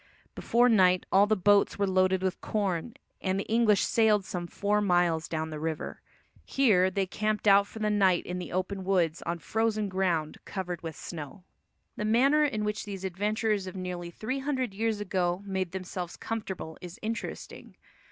Before night all the boats were loaded with corn, and the English sailed some four miles down the river. Here they camped out for the night in the open woods on frozen ground covered with snow. The manner in which these adventurers of nearly three hundred years ago made themselves comfortable is interesting.